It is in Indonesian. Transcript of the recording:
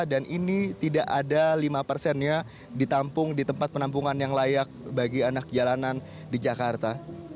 dan ini tidak ada lima persennya ditampung di tempat penampungan yang layak bagi anak jalanan di jakarta